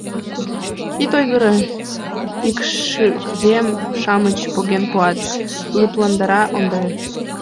— Ит ойгыро — икшывем-шамыч поген пуат, — лыпландара Ондре.